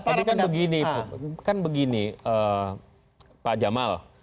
tapi kan begini pak jamal